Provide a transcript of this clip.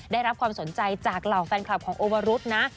ได้รับความสนใจจากเหล่าแฟนคลับของโอวรุษนะ